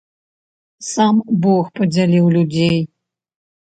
Сам бог падзяліў людзей.